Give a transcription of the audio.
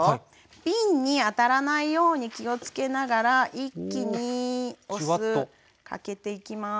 瓶に当たらないように気をつけながら一気にお酢かけていきます。